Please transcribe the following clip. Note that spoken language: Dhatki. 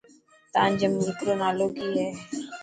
تانجي ملڪ رو نالو ڪي هي.